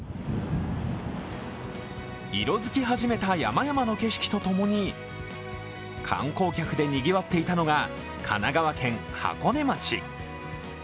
色づき始めた山々の景色とともに観光客でにぎわっていたのが神奈川県箱根町。